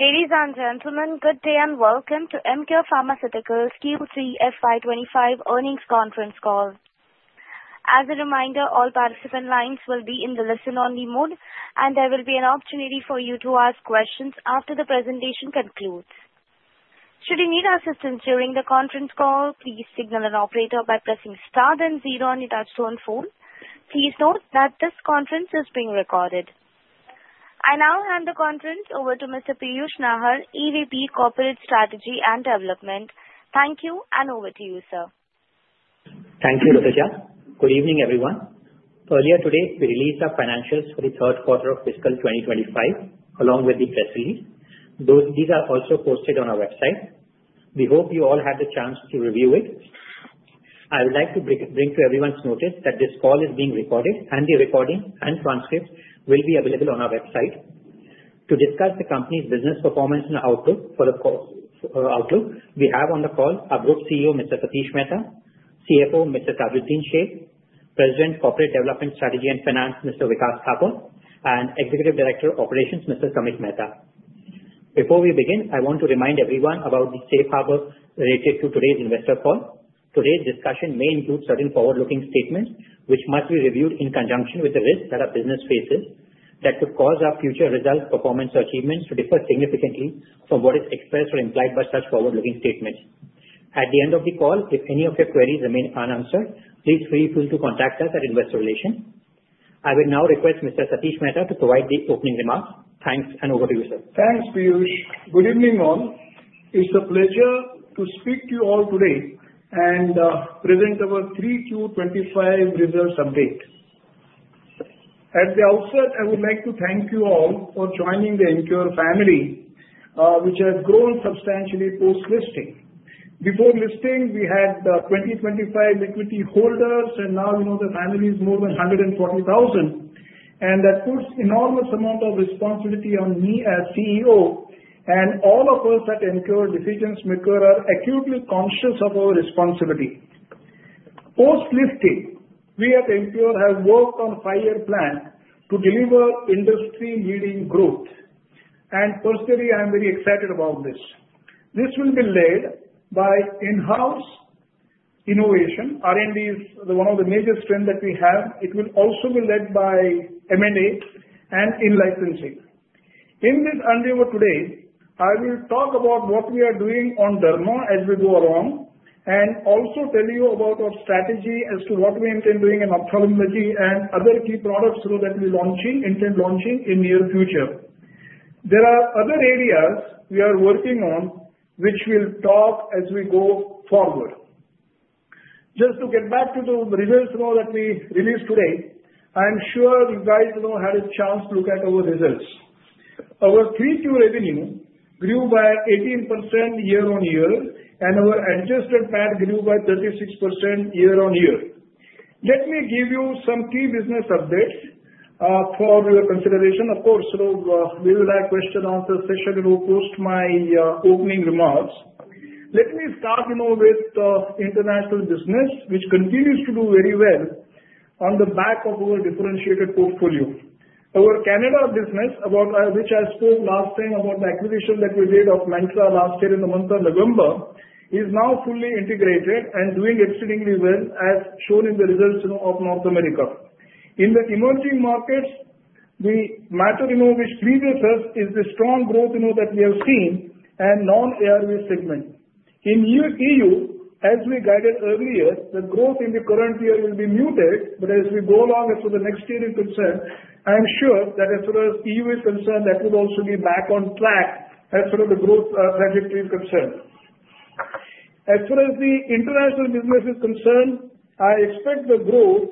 Ladies and gentlemen, good day and welcome to Emcure Pharmaceuticals' Q3 FY25 earnings conference call. As a reminder, all participant lines will be in the listen-only mode, and there will be an opportunity for you to ask questions after the presentation concludes. Should you need assistance during the conference call, please signal an operator by pressing star then zero on your touch-tone phone. Please note that this conference is being recorded. I now hand the conference over to Mr. Piyush Nahar, EVP Corporate Strategy and Development. Thank you, and over to you, sir. Thank you, Rupecha. Good evening, everyone. Earlier today, we released our financials for the third quarter of fiscal 2025, along with the press release. These are also posted on our website. We hope you all had the chance to review it. I would like to bring to everyone's notice that this call is being recorded, and the recording and transcript will be available on our website. To discuss the company's business performance and outlook, we have on the call our CEO, Mr. Satish Mehta, CFO, Mr. Tajuddin Shaikh, President, Corporate Development Strategy and Finance, Mr. Vikas Thapar, and Executive Director of Operations, Mr. Samit Mehta. Before we begin, I want to remind everyone about the safe harbor related to today's investor call. Today's discussion may include certain forward-looking statements, which must be reviewed in conjunction with the risks that our business faces that could cause our future results, performance, or achievements to differ significantly from what is expressed or implied by such forward-looking statements. At the end of the call, if any of your queries remain unanswered, please feel free to contact us at Investor Relations. I will now request Mr. Satish Mehta to provide the opening remarks. Thanks, and over to you, sir. Thanks, Piyush. Good evening, all. It's a pleasure to speak to you all today and present our 3Q25 results update. At the outset, I would like to thank you all for joining the Emcure family, which has grown substantially post-listing. Before listing, we had 2,025 equity holders, and now the family is more than 140,000, and that puts an enormous amount of responsibility on me as CEO, and all of us at Emcure decision-makers are acutely conscious of our responsibility. Post-listing, we at Emcure have worked on a five-year plan to deliver industry-leading growth, and personally, I'm very excited about this. This will be led by in-house innovation. R&D is one of the major strengths that we have. It will also be led by M&A and in-licensing. In this investor today, I will talk about what we are doing on derma as we go along and also tell you about our strategy as to what we intend doing in ophthalmology and other key products that we're launching in the near future. There are other areas we are working on, which we'll talk about as we go forward. Just to get back to the results that we released today, I'm sure you guys had a chance to look at our results. Our 3Q revenue grew by 18% year-on-year, and our adjusted PAT grew by 36% year-on-year. Let me give you some key business updates for your consideration. Of course, we will have a question-and-answer session when we post my opening remarks. Let me start with international business, which continues to do very well on the back of our differentiated portfolio. Our Canada business, which I spoke last time about the acquisition that we did of Mantra last year in the month of November, is now fully integrated and doing exceedingly well, as shown in the results of North America. In the emerging markets, the matter which previously is the strong growth that we have seen and non-ARV segment. In EU, as we guided earlier, the growth in the current year will be muted, but as we go along as to the next year in concern, I'm sure that as far as EU is concerned, that would also be back on track as far as the growth trajectory is concerned. As far as the international business is concerned, I expect the growth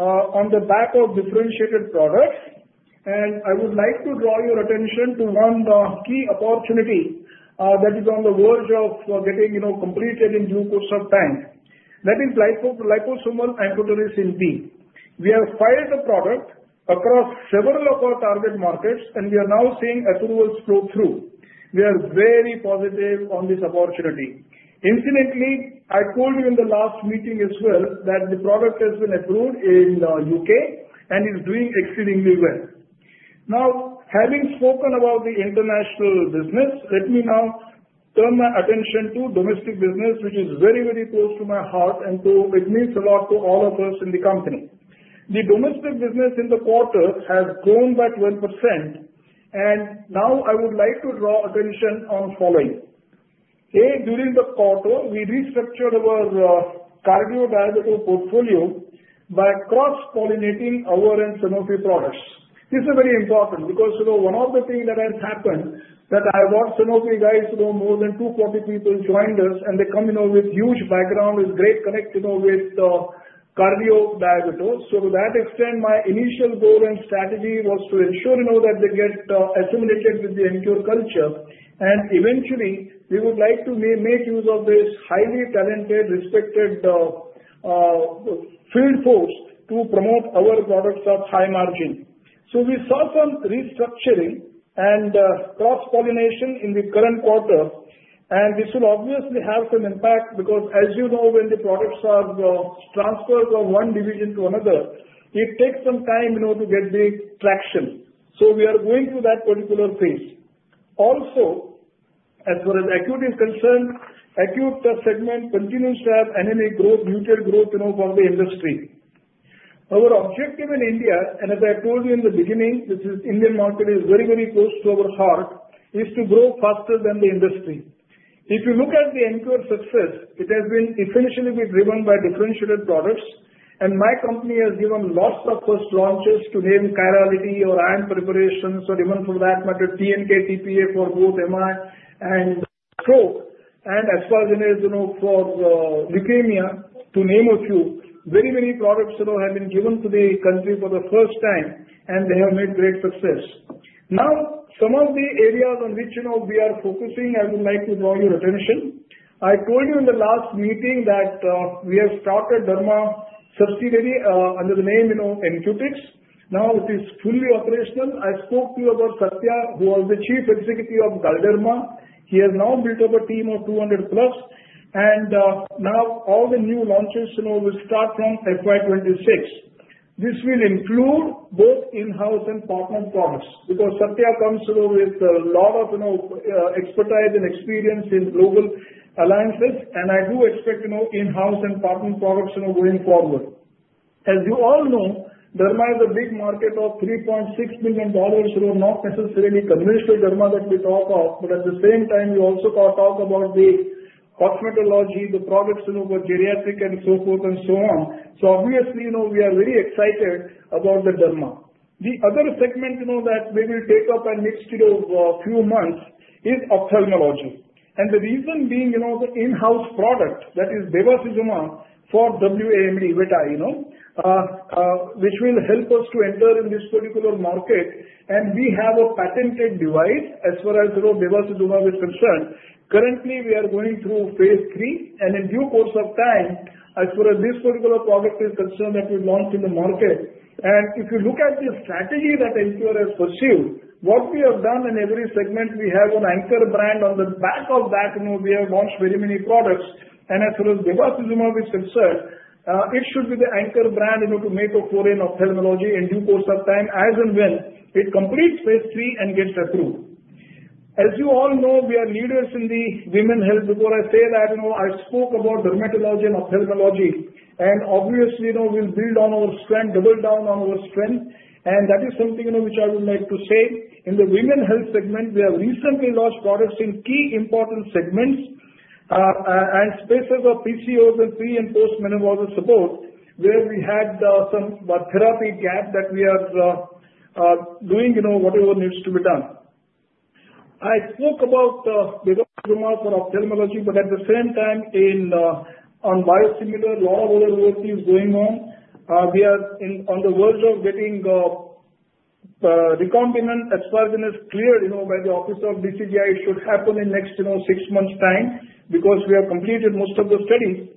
on the back of differentiated products. I would like to draw your attention to one key opportunity that is on the verge of getting completed in due course of time. That is Liposomal Amphotericin B. We have filed the product across several of our target markets, and we are now seeing approvals flow through. We are very positive on this opportunity. Incidentally, I told you in the last meeting as well that the product has been approved in the U.K. and is doing exceedingly well. Now, having spoken about the international business, let me now turn my attention to domestic business, which is very, very close to my heart, and it means a lot to all of us in the company. The domestic business in the quarter has grown by 12%. I would like to draw attention to the following. During the quarter, we restructured our cardiodiabetes portfolio by cross-pollinating our end-to-end Sanofi products. This is very important because one of the things that has happened that I watched Sanofi guys, more than 240 people joined us, and they come with huge background, with great connection with cardiodiabetes. So to that extent, my initial goal and strategy was to ensure that they get assimilated with the Emcure culture. And eventually, we would like to make use of this highly talented, respected field force to promote our products at high margin. So we saw some restructuring and cross-pollination in the current quarter, and this will obviously have some impact because, as you know, when the products are transferred from one division to another, it takes some time to get the traction. So we are going through that particular phase. Also, as far as acute is concerned, acute segment continues to have anemic growth, muted growth for the industry. Our objective in India, and as I told you in the beginning, this Indian market is very, very close to our heart, is to grow faster than the industry. If you look at the Emcure success, it has been essentially driven by differentiated products, and my company has given lots of first launches to name chirality or iron preparations, or even for that matter, TNK TPA for both MI and stroke, and as far as it is for leukemia, to name a few. Very many products have been given to the country for the first time, and they have made great success. Now, some of the areas on which we are focusing, I would like to draw your attention. I told you in the last meeting that we have started derma subsidiary under the name Emcutix. Now it is fully operational. I spoke to you about Satya, who was the Chief Executive of Galderma. He has now built up a team of 200 plus, and now all the new launches will start from FY26. This will include both in-house and partner products because Satya comes with a lot of expertise and experience in global alliances, and I do expect in-house and partner products going forward. As you all know, derma is a big market of $3.6 billion, not necessarily conventional derma that we talk of, but at the same time, we also talk about the cosmetology, the products for geriatric, and so forth and so on. So obviously, we are very excited about the derma. The other segment that we will take up in next few months is ophthalmology. The reason being the in-house product that is Bevacizumab for wet AMD, which will help us to enter in this particular market, and we have a patented device as far as Bevacizumab is concerned. Currently, we are going through phase III, and in due course of time, as far as this particular product is concerned that we launched in the market. If you look at the strategy that Emcure has pursued, what we have done in every segment, we have an anchor brand on the back of that. We have launched very many products, and as far as Bevacizumab is concerned, it should be the anchor brand to make a foray in ophthalmology in due course of time as and when it completes phase III and gets approved. As you all know, we are leaders in the women's health. Before I say that, I spoke about dermatology and ophthalmology, and obviously, we'll build on our strength, double down on our strength, and that is something which I would like to say. In the women's health segment, we have recently launched products in key important segments and spaces of PCOS and pre- and post-menopausal support, where we had some therapy gap that we are doing whatever needs to be done. I spoke about Bevacizumab for ophthalmology, but at the same time, on biosimilar, a lot of other work is going on. We are on the verge of getting recombinant as far as it is cleared by the Office of DCGI. It should happen in the next six months' time because we have completed most of the studies.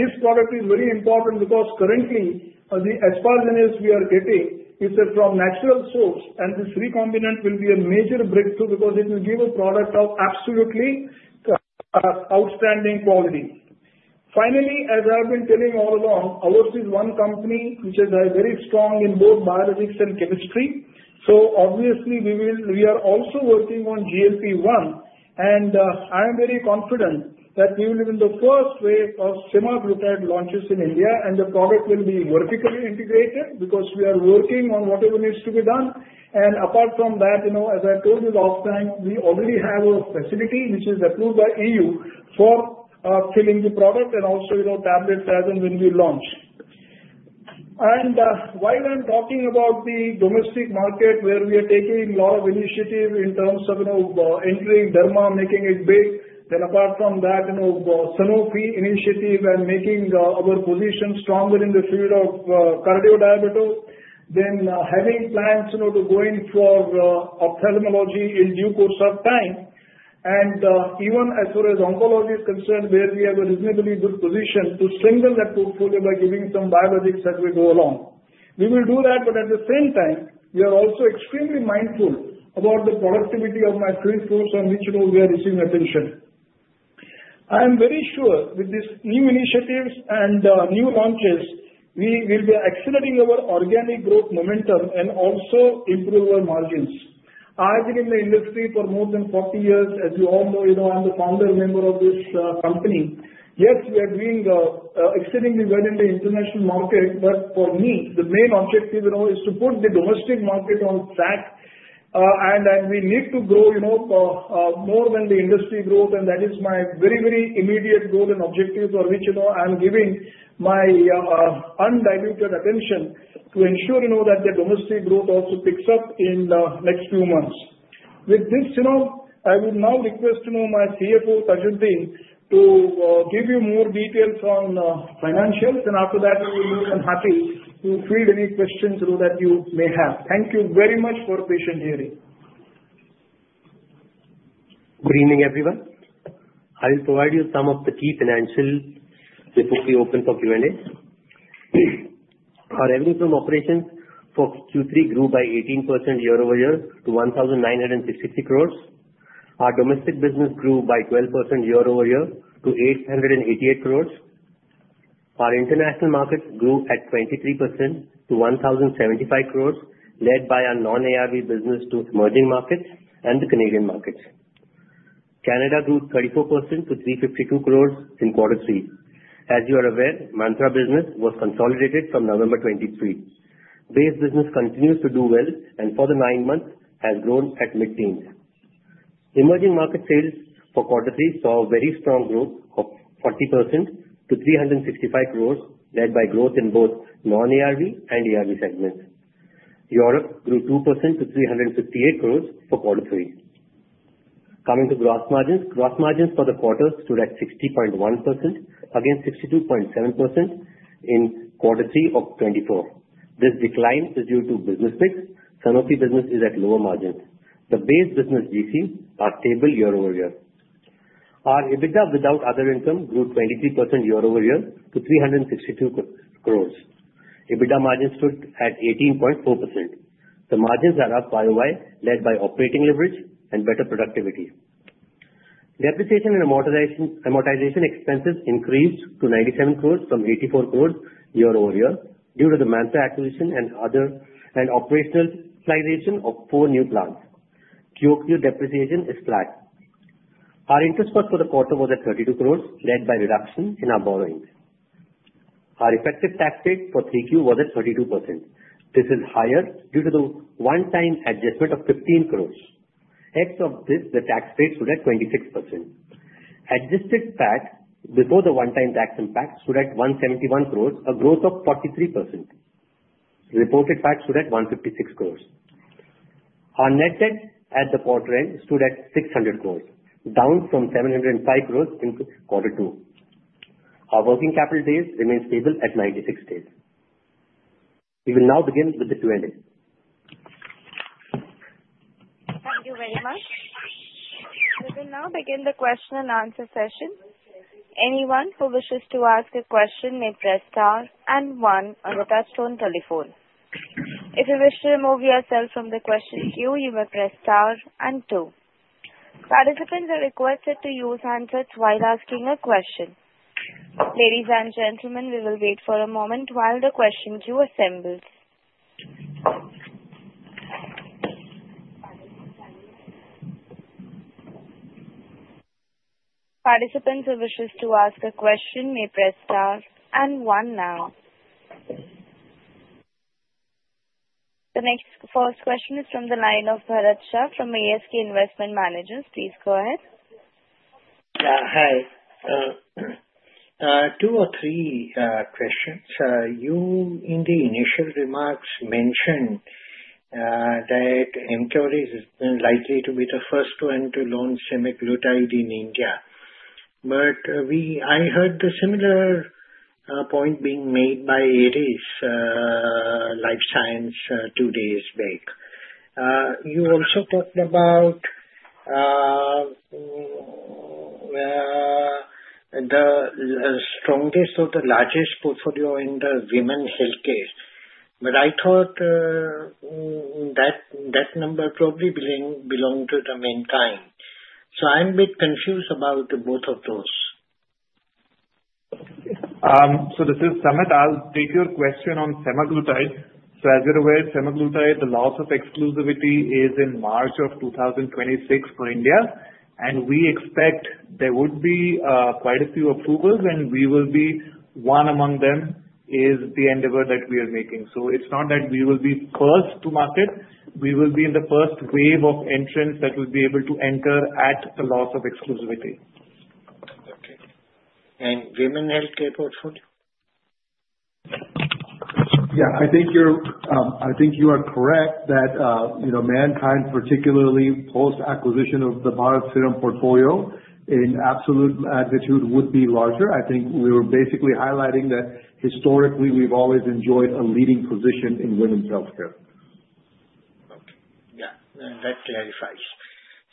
This product is very important because currently, the asparaginase we are getting is from natural source, and this recombinant will be a major breakthrough because it will give a product of absolutely outstanding quality. Finally, as I have been telling all along, Overseas One Company, which is very strong in both biologics and chemistry. So obviously, we are also working on GLP-1, and I am very confident that we will be in the first wave of semaglutide launches in India, and the product will be vertically integrated because we are working on whatever needs to be done. Apart from that, as I told you last time, we already have a facility which is approved by EU for filling the product and also tablets as and when we launch. And while I'm talking about the domestic market, where we are taking a lot of initiative in terms of entering dermatology, making it big, then apart from that, Sanofi initiative and making our position stronger in the field of cardiodiabetes, then having plans to go in for ophthalmology in due course of time. And even as far as oncology is concerned, where we have a reasonably good position to strengthen that portfolio by giving some biologics as we go along. We will do that, but at the same time, we are also extremely mindful about the productivity of my field force on which we are receiving attention. I am very sure with these new initiatives and new launches, we will be accelerating our organic growth momentum and also improve our margins. I've been in the industry for more than 40 years. As you all know, I'm the founder member of this company. Yes, we are doing exceedingly well in the international market, but for me, the main objective is to put the domestic market on track, and we need to grow more than the industry growth, and that is my very, very immediate goal and objective for which I'm giving my undiluted attention to ensure that the domestic growth also picks up in the next few months. With this, I would now request my CFO, Tajuddin, to give you more details on financials, and after that, we will be more than happy to field any questions that you may have. Thank you very much for patient hearing. Good evening, everyone. I will provide you some of the key financials before we open for Q&A. Our revenue from operations for Q3 grew by 18% year-over-year to 1,963 crores. Our domestic business grew by 12% year-over-year to 888 crores. Our international market grew at 23% to 1,075 crores, led by our non-ARV business to emerging markets and the Canadian market. Canada grew 34% to 352 crores in quarter three. As you are aware, Mantra business was consolidated from November 23. Base business continues to do well and for the nine months has grown at mid-teens. Emerging market sales for quarter three saw a very strong growth of 40% to 365 crores, led by growth in both non-ARV and ARV segments. Europe grew 2% to 358 crores for quarter three. Coming to gross margins, gross margins for the quarter stood at 60.1% against 62.7% in quarter three of 2024. This decline is due to business mix. Sanofi business is at lower margins. The base business GCs are stable year-over-year. Our EBITDA without other income grew 23% year-over-year to 362 crores. EBITDA margin stood at 18.4%. The margins are up by YoY led by operating leverage and better productivity. Depreciation and amortization expenses increased to 97 crores from 84 crores year-over-year due to the Mantra acquisition and operationalization of four new plants. QoQ depreciation is flat. Our interest cost for the quarter was at 32 crores, led by reduction in our borrowing. Our effective tax rate for 3Q was at 32%. This is higher due to the one-time adjustment of 15 crores. Excluding this, the tax rate stood at 26%. Adjusted PAT before the one-time tax impact stood at 171 crores, a growth of 43%. Reported PAT stood at 156 crores. Our net debt at the quarter end stood at 600 crores, down from 705 crores in quarter two. Our working capital days remain stable at 96 days. We will now begin with the Q&A. Thank you very much. We will now begin the question and answer session. Anyone who wishes to ask a question may press star and one on the touch-tone telephone. If you wish to remove yourself from the question queue, you may press star and two. Participants are requested to use handsets while asking a question. Ladies and gentlemen, we will wait for a moment while the question queue assembles. Participants who wish to ask a question may press star and one now. The next first question is from the line of Bharat Shah from ASK Investment Managers. Please go ahead. Yeah, hi. Two or three questions. You, in the initial remarks, mentioned that Emcure is likely to be the first one to launch semaglutide in India, but I heard the similar point being made by Eris Lifesciences two days back. You also talked about the strongest or the largest portfolio in the women's healthcare, but I thought that number probably belonged to the Mankind. So I'm a bit confused about both of those. This is Samit. I'll take your question on semaglutide. As you're aware, semaglutide, the loss of exclusivity is in March of 2026 for India, and we expect there would be quite a few approvals, and we will be one among them is the endeavor that we are making. It's not that we will be first to market. We will be in the first wave of entrants that will be able to enter at the loss of exclusivity. Okay. And women's healthcare portfolio? Yeah, I think you are correct that Mankind, particularly post-acquisition of the Bharat Serum portfolio, in absolute magnitude would be larger. I think we were basically highlighting that historically, we've always enjoyed a leading position in women's healthcare. Okay. Yeah, that clarifies.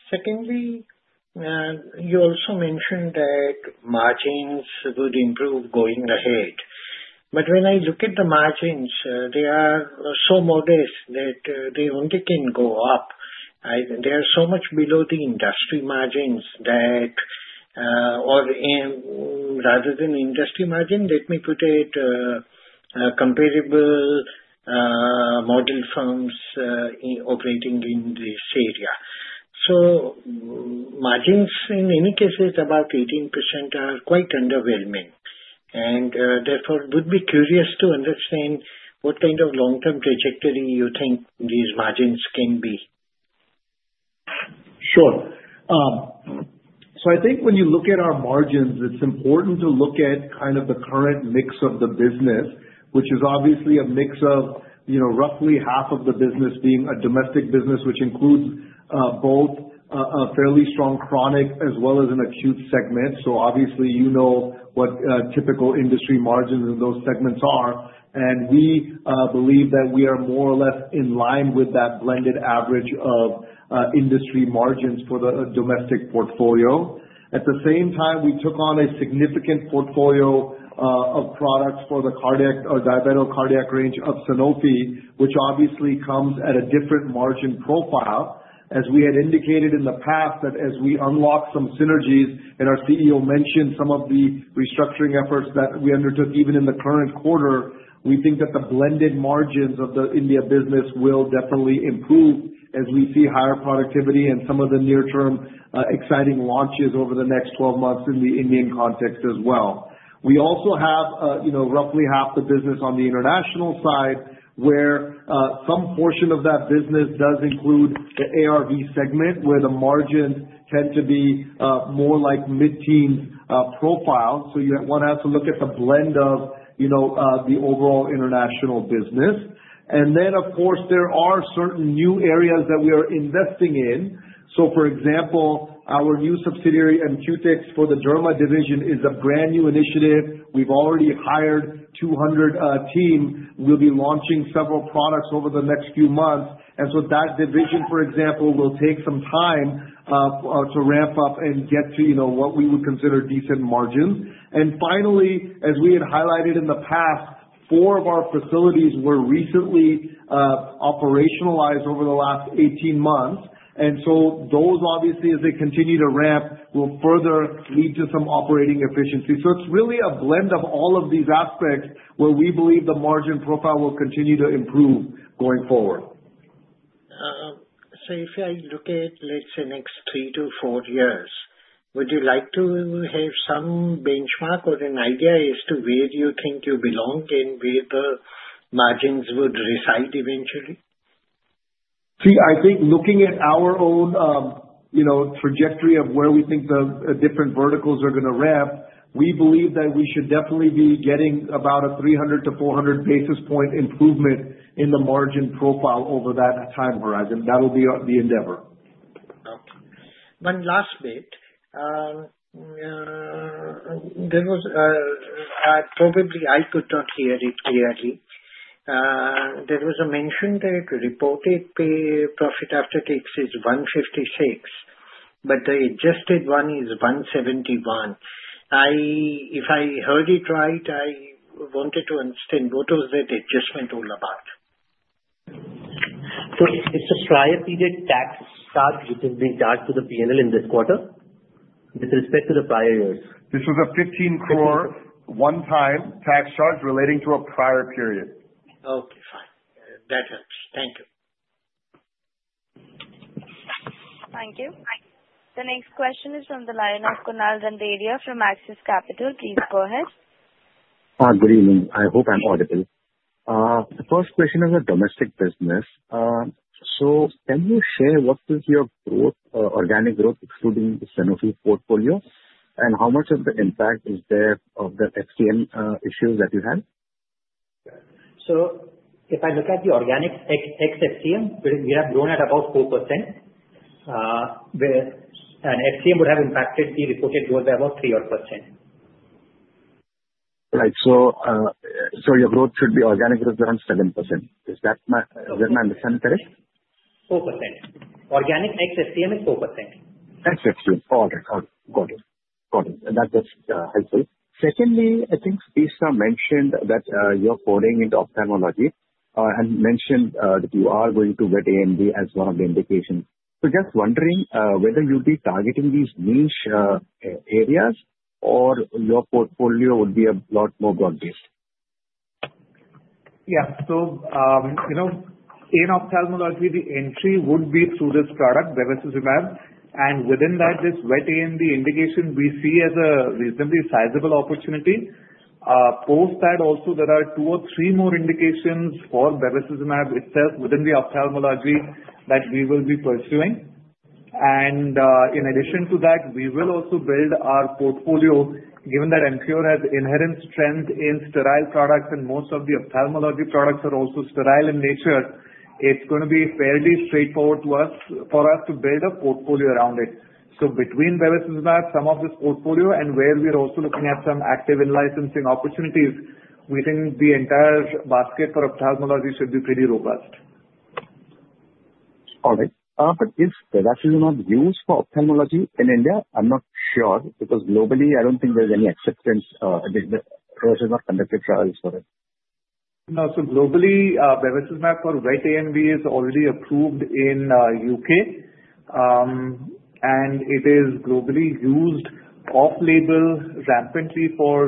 Secondly, you also mentioned that margins would improve going ahead, but when I look at the margins, they are so modest that they only can go up. They are so much below the industry margins that, or rather than industry margins, let me put it, comparable model firms operating in this area. So margins, in any case, about 18%, are quite underwhelming, and therefore would be curious to understand what kind of long-term trajectory you think these margins can be. Sure. So I think when you look at our margins, it's important to look at kind of the current mix of the business, which is obviously a mix of roughly half of the business being a domestic business, which includes both a fairly strong chronic as well as an acute segment. So obviously, you know what typical industry margins in those segments are, and we believe that we are more or less in line with that blended average of industry margins for the domestic portfolio. At the same time, we took on a significant portfolio of products for the diabetic cardiac range of Sanofi, which obviously comes at a different margin profile. As we had indicated in the past that as we unlock some synergies, and our CEO mentioned some of the restructuring efforts that we undertook even in the current quarter, we think that the blended margins of the India business will definitely improve as we see higher productivity and some of the near-term exciting launches over the next 12 months in the Indian context as well. We also have roughly half the business on the international side, where some portion of that business does include the ARV segment, where the margins tend to be more like mid-teens profile, so you want to have to look at the blend of the overall international business. Then, of course, there are certain new areas that we are investing in. For example, our new subsidiary and QTIX for the Derma division is a brand new initiative. We've already hired 200 team. We'll be launching several products over the next few months. And so that division, for example, will take some time to ramp up and get to what we would consider decent margins. And finally, as we had highlighted in the past, four of our facilities were recently operationalized over the last 18 months. And so those, obviously, as they continue to ramp, will further lead to some operating efficiency. So it's really a blend of all of these aspects where we believe the margin profile will continue to improve going forward. So if I look at, let's say, next three to four years, would you like to have some benchmark or an idea as to where you think you belong and where the margins would reside eventually? See, I think looking at our own trajectory of where we think the different verticals are going to ramp, we believe that we should definitely be getting about a 300-400 basis point improvement in the margin profile over that time horizon. That'll be the endeavor. Okay. One last bit. Probably I could not hear it clearly. There was a mention that reported profit after tax is 156, but the adjusted one is 171. If I heard it right, I wanted to understand what was that adjustment all about. So it's a prior period tax charge which has been charged to the P&L in this quarter with respect to the prior years. This was a 15 crore one-time tax charge relating to a prior period. Okay. Fine. That helps. Thank you. Thank you. The next question is from the line of Kunal Randeria from Axis Capital. Please go ahead. Good evening. I hope I'm audible. The first question is a domestic business. So can you share what is your organic growth excluding the Sanofi portfolio and how much of the impact is there of the FCM issues that you had? So if I look at the organic ex-FCM, we have grown at about 4%, where an FCM would have impacted the reported growth by about 3%. Right. So your growth should be organic growth around 7%. Is that my understanding correct? 4%. Organic ex-FCM is 4%. Ex-FCM. All right. Got it. Got it. That's helpful. Secondly, I think Piyush Nahar mentioned that you're pouring into ophthalmology and mentioned that you are going to Wet AMD as one of the indications. So just wondering whether you'd be targeting these niche areas or your portfolio would be a lot more broad-based. Yeah. So in ophthalmology, the entry would be through this product, Bevacizumab, and within that, this wet AMD indication we see as a reasonably sizable opportunity. Post that, also, there are two or three more indications for Bevacizumab itself within the ophthalmology that we will be pursuing. And in addition to that, we will also build our portfolio. Given that Emcure has inherent strength in sterile products and most of the ophthalmology products are also sterile in nature, it's going to be fairly straightforward for us to build a portfolio around it. So between Bevacizumab, some of this portfolio, and where we're also looking at some active in-licensing opportunities, we think the entire basket for ophthalmology should be pretty robust. All right, but if Bevacizumab used for ophthalmology in India, I'm not sure because globally, I don't think there's any acceptance. There's not conducted trials for it. No. So globally, Bevacizumab for wet AMD is already approved in the U.K., and it is globally used off-label rampantly for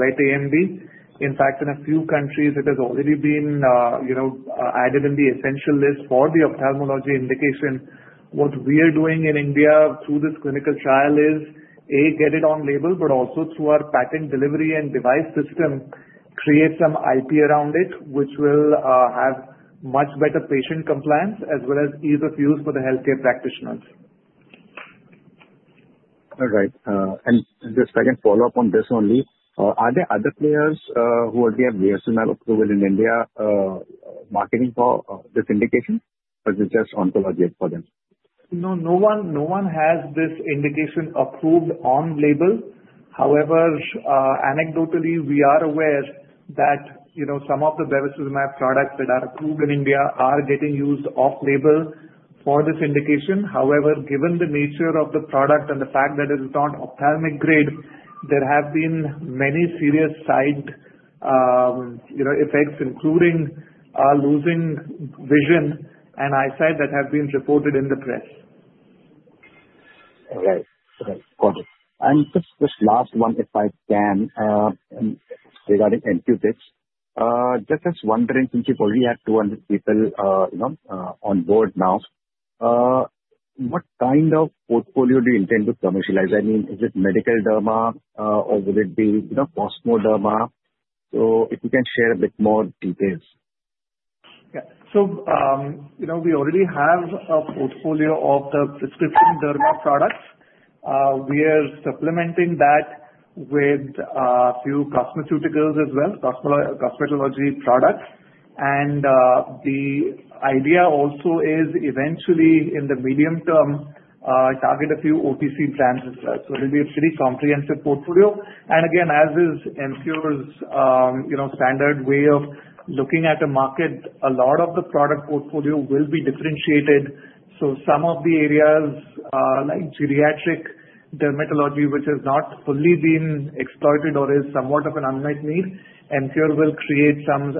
wet AMD. In fact, in a few countries, it has already been added in the essential list for the ophthalmology indication. What we are doing in India through this clinical trial is, A, get it on label, but also through our patient delivery and device system, create some IP around it, which will have much better patient compliance as well as ease of use for the healthcare practitioners. All right, and just a second follow-up on this only. Are there other players who already have Bevacizumab approved in India marketing for this indication, or is it just oncology for them? No. No one has this indication approved on label. However, anecdotally, we are aware that some of the Bevacizumab products that are approved in India are getting used off-label for this indication. However, given the nature of the product and the fact that it is not ophthalmic grade, there have been many serious side effects, including losing vision, and eyesight that have been reported in the press. All right. Okay. Got it. And just last one, if I can, regarding Emcure. Just wondering, since you've already had 200 people on board now, what kind of portfolio do you intend to commercialize? I mean, is it medical derma, or would it be cosmoderma? So if you can share a bit more details. Yeah. So we already have a portfolio of the prescription derma products. We are supplementing that with a few cosmeceuticals as well, cosmetology products. And the idea also is eventually, in the medium term, target a few OTC brands as well. So it'll be a pretty comprehensive portfolio. And again, as is Emcure's standard way of looking at the market, a lot of the product portfolio will be differentiated. So some of the areas like geriatric dermatology, which has not fully been exploited or is somewhat of an unmet need, Emcure will create some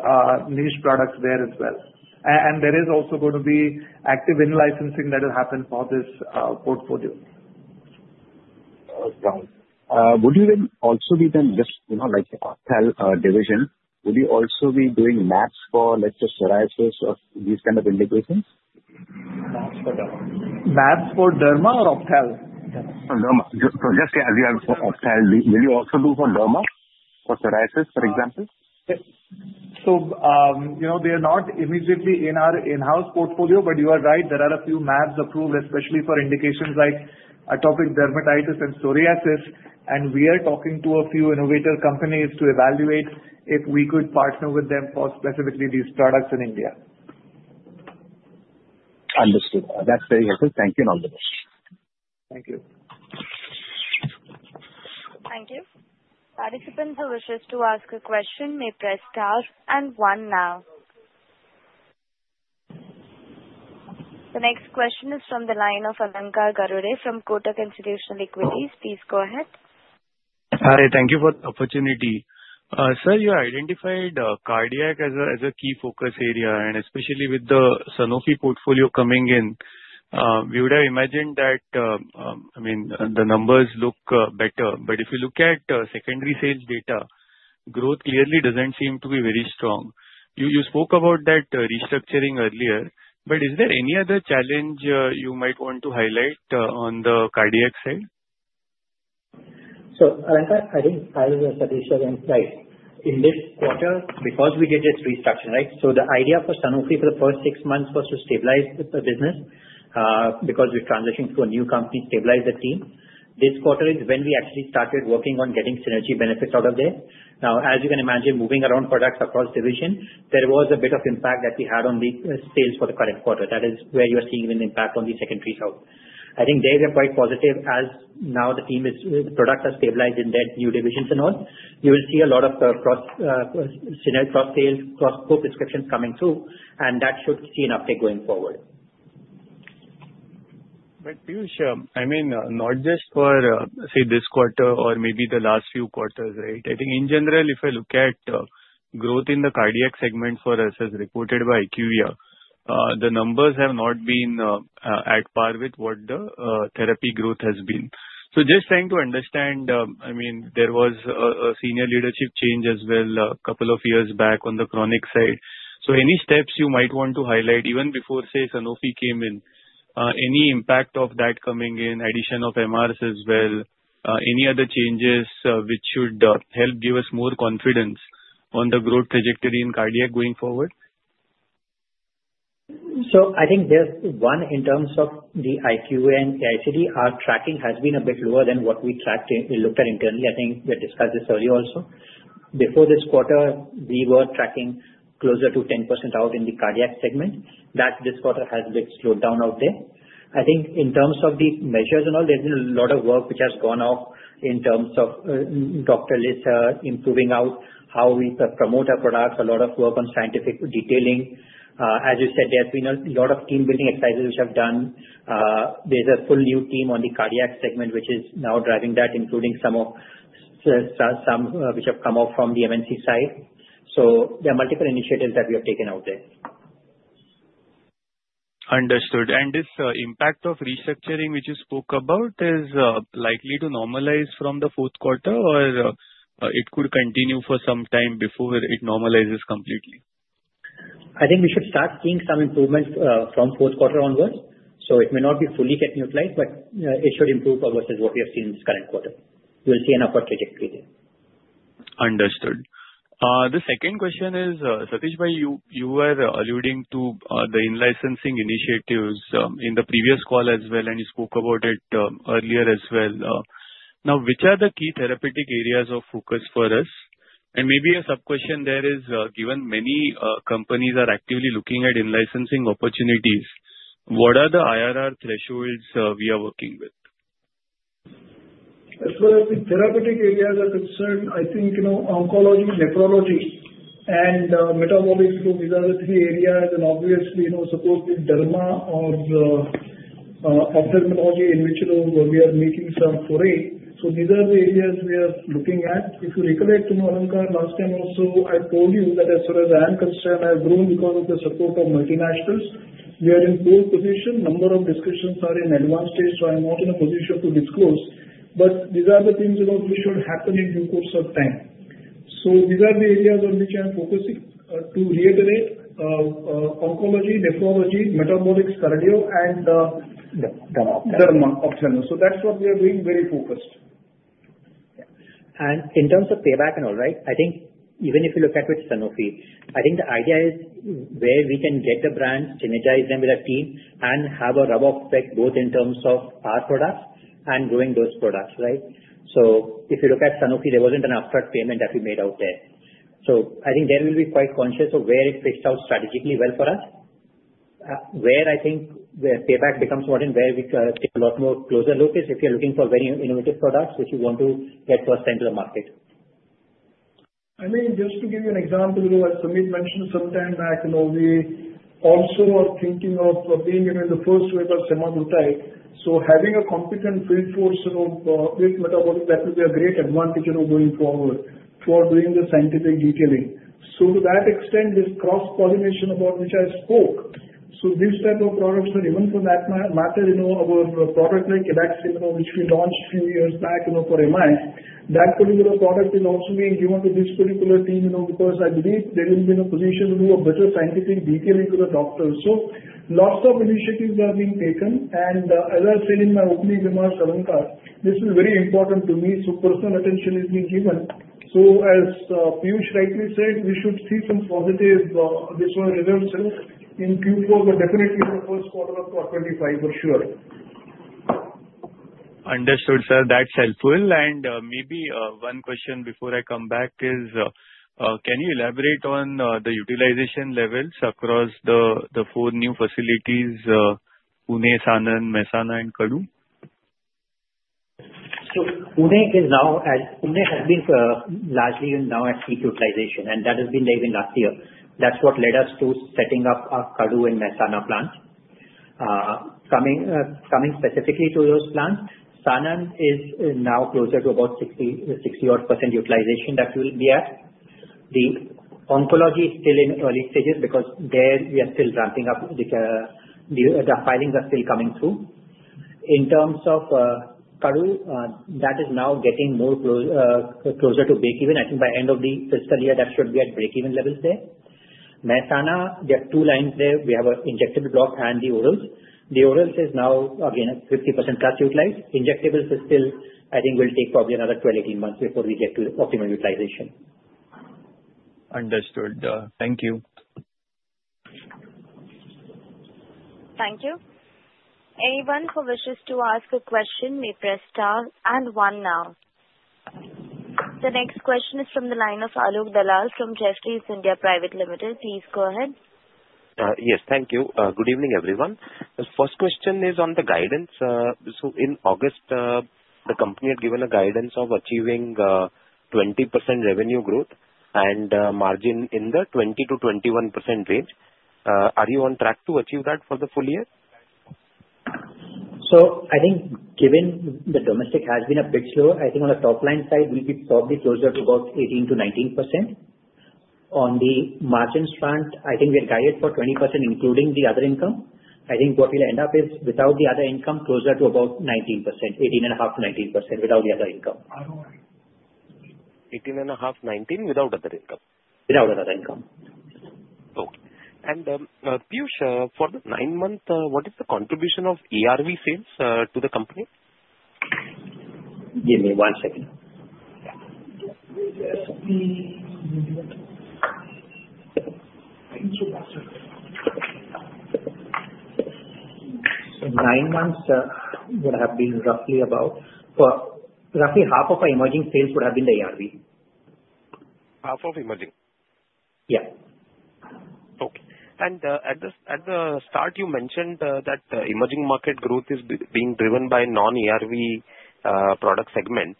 niche products there as well. And there is also going to be active in-licensing that will happen for this portfolio. All right. Would you then also be just like Ophthal division, would you also be doing maps for, let's say, psoriasis or these kind of indications? Maps for derma. Maps for derma or Ophthal? Derma. Derma. So just as you have for Ophthal, will you also do for derma, for psoriasis, for example? So they are not immediately in our in-house portfolio, but you are right. There are a few mAbs approved, especially for indications like atopic dermatitis and psoriasis, and we are talking to a few innovator companies to evaluate if we could partner with them for specifically these products in India. Understood. That's very helpful. Thank you and all the best. Thank you. Thank you. Participants are allowed to ask a question. May press star, and one now. The next question is from the line of Alankar Garude from Kotak Institutional Equities. Please go ahead. Hi. Thank you for the opportunity. Sir, you identified cardiac as a key focus area, and especially with the Sanofi portfolio coming in, we would have imagined that, I mean, the numbers look better. But if you look at secondary sales data, growth clearly doesn't seem to be very strong. You spoke about that restructuring earlier, but is there any other challenge you might want to highlight on the cardiac side? So, Alankar, I think I will just additionally say, right, in this quarter, because we did this restructuring, right, so the idea for Sanofi for the first six months was to stabilize the business because we're transitioning to a new company, stabilize the team. This quarter is when we actually started working on getting synergy benefits out of there. Now, as you can imagine, moving around products across division, there was a bit of impact that we had on the sales for the current quarter. That is where you're seeing an impact on the secondary sales. I think they were quite positive as now the team is products are stabilized in their new divisions and all. You will see a lot of cross-sale, cross-sale prescriptions coming through, and that should see an uptake going forward. But Piyush, I mean, not just for, say, this quarter or maybe the last few quarters, right? I think in general, if I look at growth in the cardiac segment for us, as reported by IQVIA, the numbers have not been at par with what the therapy growth has been. So just trying to understand, I mean, there was a senior leadership change as well a couple of years back on the chronic side. So any steps you might want to highlight, even before, say, Sanofi came in, any impact of that coming in, addition of MRs as well, any other changes which should help give us more confidence on the growth trajectory in cardiac going forward? So, I think there's one in terms of the IQVIA and AIOCD. Our tracking has been a bit lower than what we tracked and we looked at internally. I think we had discussed this earlier also. Before this quarter, we were tracking closer to 10% out in the cardiac segment. That this quarter has a bit slowed down out there. I think in terms of the measures and all, there's been a lot of work which has gone on in terms of doctor lists, improving how we promote our products, a lot of work on scientific detailing. As you said, there have been a lot of team-building exercises which have been done. There's a full new team on the cardiac segment which is now driving that, including some which have come in from the MNC side. So there are multiple initiatives that we have taken out there. Understood, and this impact of restructuring which you spoke about is likely to normalize from the fourth quarter, or it could continue for some time before it normalizes completely? I think we should start seeing some improvements from fourth quarter onwards, so it may not be fully get neutralized, but it should improve versus what we have seen in this current quarter. We'll see an upward trajectory there. Understood. The second question is, Satish Bhai, you were alluding to the in-licensing initiatives in the previous call as well, and you spoke about it earlier as well. Now, which are the key therapeutic areas of focus for us? And maybe a sub-question there is, given many companies are actively looking at in-licensing opportunities, what are the IRR thresholds we are working with? As far as the therapeutic areas are concerned, I think oncology, nephrology, and metabolic group, these are the three areas, and obviously, supposedly derma or ophthalmology in which we are making some foray, so these are the areas we are looking at. If you recollect, Alankar, last time also, I told you that as far as I'm concerned, I have grown because of the support of multinationals. We are in poor position. Number of discussions are in advanced stage, so I'm not in a position to disclose, but these are the things which should happen in due course of time, so these are the areas on which I'm focusing. To reiterate, oncology, nephrology, metabolics, cardio, and derma. Derma. Derma. Ophthalmology. So that's what we are doing, very focused. In terms of payback and all, right, I think even if you look at with Sanofi, I think the idea is where we can get the brands, synergize them with our team, and have a rub-off effect both in terms of our products and growing those products, right? If you look at Sanofi, there wasn't an upfront payment that we made out there. I think we will be quite conscious of what we pick out strategically well for us, where I think payback becomes important, where we take a lot more closer look is if you're looking for very innovative products which you want to get first time to the market. I mean, just to give you an example, Samit mentioned some time back, we also are thinking of being in the first wave of Semaglutide. So having a competent field force with metabolic, that will be a great advantage going forward for doing the scientific detailing. So to that extent, this cross-pollination about which I spoke, so these type of products, and even for that matter, our product like Elaxim, which we launched a few years back for MI, that particular product is also being given to this particular team because I believe they will be in a position to do a better scientific detailing to the doctors. So lots of initiatives are being taken, and as I said in my opening remarks, Alankar, this is very important to me. So personal attention is being given. So as Piyush rightly said, we should see some positive results in Q4, but definitely in the first quarter of 2025 for sure. Understood, sir. That's helpful, and maybe one question before I come back is, can you elaborate on the utilization levels across the four new facilities: Pune, Sanand, Mehsana, and Kadi? Pune has been largely now at peak utilization, and that has been there even last year. That's what led us to setting up our Kadi and Mehsana plants, coming specifically to those plants. Sanand is now closer to about 60-odd% utilization that we will be at. The oncology is still in early stages because there we are still ramping up the filings are still coming through. In terms of Kadi, that is now getting more closer to break-even. I think by end of the fiscal year, that should be at break-even levels there. Mehsana, we have two lines there. We have an injectables and the orals. The orals is now, again, at 50% plus utilized. Injectables is still, I think, will take probably another 12 to 18 months before we get to optimal utilization. Understood. Thank you. Thank you. Anyone who wishes to ask a question may press star and one now. The next question is from the line of Alok Dalal from Jefferies India Private Limited. Please go ahead. Yes. Thank you. Good evening, everyone. The first question is on the guidance. So in August, the company had given a guidance of achieving 20% revenue growth and margin in the 20%-21% range. Are you on track to achieve that for the full year? So I think given the domestic has been a bit slow, I think on the top-line side, we'll be probably closer to about 18%-19%. On the margins front, I think we are guided for 20%, including the other income. I think what we'll end up is, without the other income, closer to about 18%, 18.5%-19% without the other income. 18.5, 19 without other income? Without other income. Okay. And Piyush, for the nine-month, what is the contribution of ARV sales to the company? Give me one second. So nine months would have been roughly about half of our emerging sales would have been the ARV. Half of emerging? Yeah. Okay. At the start, you mentioned that the emerging market growth is being driven by non-ARV product segment.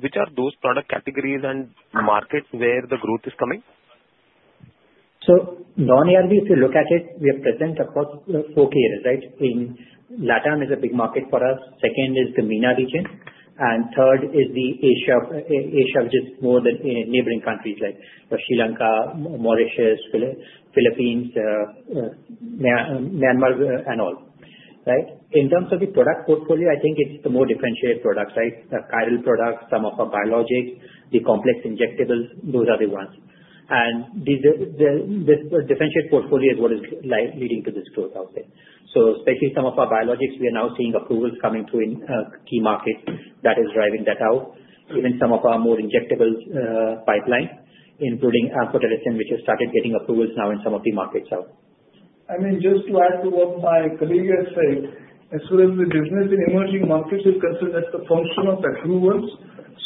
Which are those product categories and markets where the growth is coming? So non-ARV, if you look at it, we are present across four key areas, right? LatAm is a big market for us. Second is the MENA region. And third is the Asia which is more the neighboring countries like Sri Lanka, Mauritius, Philippines, Myanmar, and all, right? In terms of the product portfolio, I think it's the more differentiated products, right? Chiral products, some of our biologics, the complex injectables, those are the ones. And this differentiated portfolio is what is leading to this growth out there. So especially some of our biologics, we are now seeing approvals coming through in key markets that is driving that out, even some of our more injectable pipelines, including amphotericin, which has started getting approvals now in some of the markets out. I mean, just to add to what my colleague has said, as well as the business in emerging markets is considered as the function of approvals.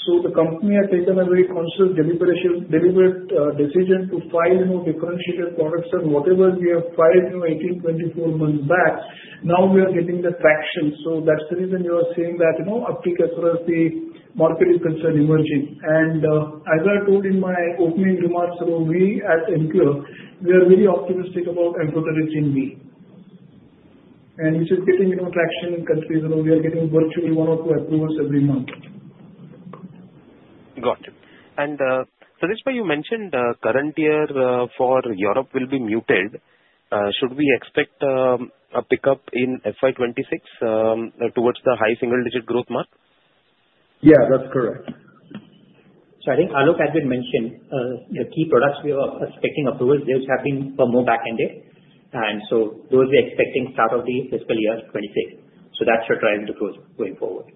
So the company has taken a very conscious deliberate decision to file more differentiated products and whatever we have filed 18, 24 months back, now we are getting the traction. So that's the reason you are seeing that uptick as far as the market is concerned emerging, and as I told in my opening remarks, we at Emcure, we are very optimistic about amphotericin B, which is getting traction in countries. We are getting virtually one or two approvals every month. Got it. And Satish Bhai, you mentioned current year for Europe will be muted. Should we expect a pickup in FY26 towards the high single-digit growth mark? Yeah, that's correct. I think Alok had mentioned the key products we were expecting approvals for. Those have been more back-ended. And so those we are expecting [at the] start of the fiscal year 2026. That should drive the growth going forward.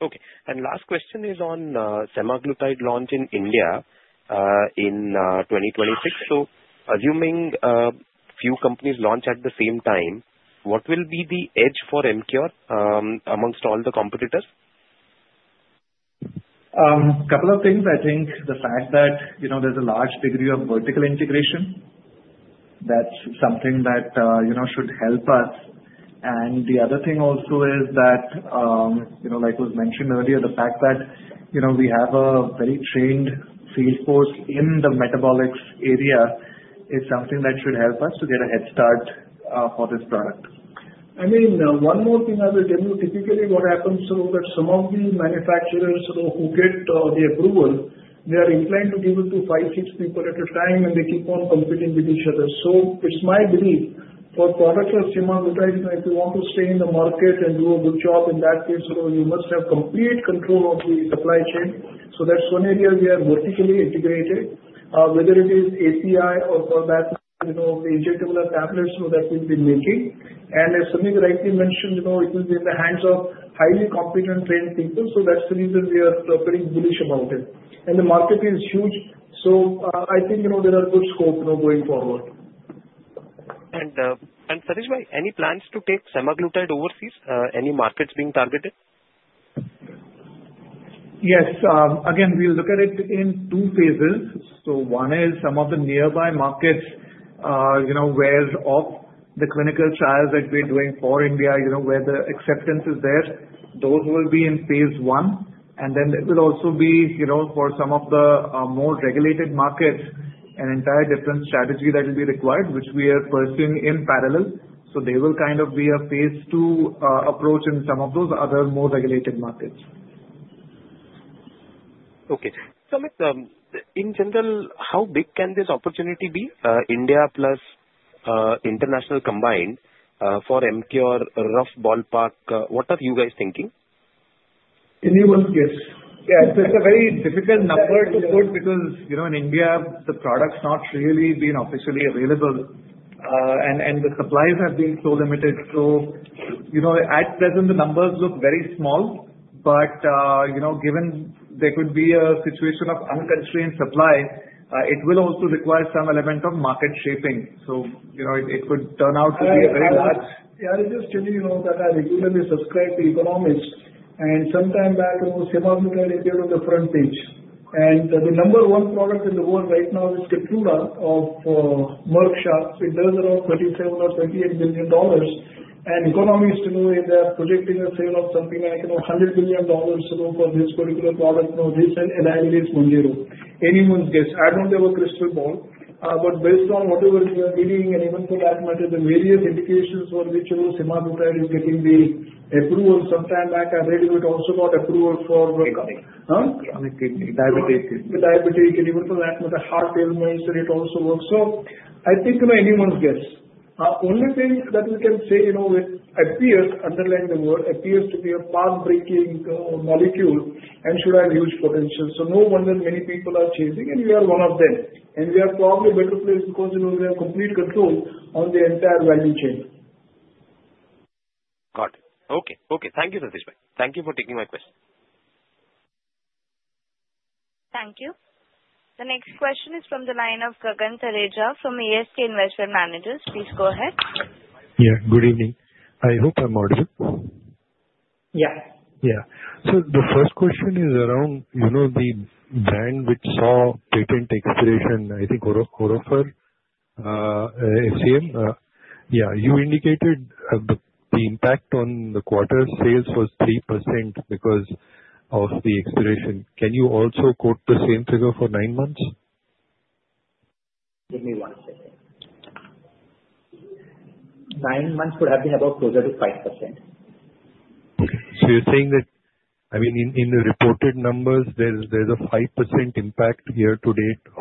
Got it. Okay. And last question is on semaglutide launch in India in 2026. So assuming few companies launch at the same time, what will the edge for Emcure amongst all the competitors? A couple of things. I think the fact that there's a large degree of vertical integration, that's something that should help us, and the other thing also is that, like was mentioned earlier, the fact that we have a very trained field force in the metabolics area is something that should help us to get a head start for this product. I mean, one more thing I will tell you. Typically, what happens is that some of the manufacturers who get the approval, they are inclined to give it to five, six people at a time, and they keep on competing with each other, so it's my belief for products of Semaglutide, if you want to stay in the market and do a good job, in that case, you must have complete control of the supply chain. So that's one area where vertically integrated, whether it is API or for that, the injectable tablets that we've been making. And as Samit rightly mentioned, it will be in the hands of highly competent trained people. So that's the reason we are very bullish about it. And the market is huge. So I think there are good scopes going forward. And Satish Bhai, any plans to take Semaglutide overseas? Any markets being targeted? Yes. Again, we'll look at it in two phases. So one is some of the nearby markets wherein the clinical trials that we're doing for India, where the acceptance is there, those will be in phase I. And then it will also be for some of the more regulated markets, an entirely different strategy that will be required, which we are pursuing in parallel. So they will kind of be a phase II approach in some of those other more regulated markets. Okay. Samit, in general, how big can this opportunity be? India plus international combined for Emcure, rough ballpark, what are you guys thinking? Give me one guess. Yeah. It's a very difficult number to put because in India, the product's not really been officially available, and the supplies have been so limited. At present, the numbers look very small, but given there could be a situation of unconstrained supply, it will also require some element of market shaping. It could turn out to be a very large. Yeah. I'll just tell you that I regularly subscribe to Economist, and sometime back, semaglutide appeared on the front page. The number one product in the world right now is Keytruda of Merck. It does around $37 million or $38 million. Economist is projecting a sale of something like $100 million for this particular product. Now, this in India is 10. Anyone's guess. I don't have a crystal ball, but based on whatever we are reading, and even for that matter, the various indications for which semaglutide is getting the approval, sometime back, I read a bit also about approval for. Economy. Huh? Chronic kidney, diabetic kidney. Diabetes, and even for that matter, heart ailments, and it also works. So I think it's anyone's guess. The only thing that we can say is it appears to be a pathbreaking molecule and should have huge potential. So no wonder many people are chasing, and we are one of them. And we are probably better placed because we have complete control on the entire value chain. Got it. Okay. Okay. Thank you, Satish Bhai. Thank you for taking my question. Thank you. The next question is from the line of Gagan Tharejah from ASK Investment Managers. Please go ahead. Yeah. Good evening. I hope I'm audible. Yeah. Yeah. So the first question is around the brand which saw patent expiration, I think Orofer FCM. Yeah. You indicated the impact on the quarter sales was 3% because of the expiration. Can you also quote the same figure for nine months? Give me one second. Nine months would have been about closer to 5%. Okay, so you're saying that, I mean, in the reported numbers, there's a 5% impact here to date